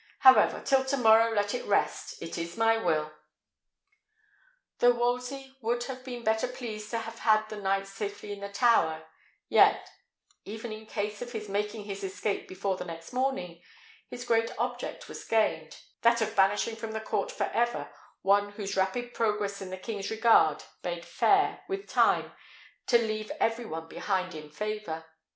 However, till tomorrow let it rest. It is my will!" Though Wolsey would have been better pleased to have had the knight safely in the Tower, yet, even in case of his making his escape before the next morning, his great object was gained, that of banishing from the court for ever one whose rapid progress in the king's regard bade fair, with time, to leave every one behind in favour.